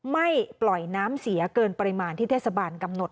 ไม่ปล่อยน้ำเสียเกินปริมาณที่เทศบาลกำหนด